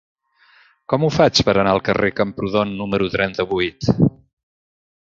Com ho faig per anar al carrer de Camprodon número trenta-vuit?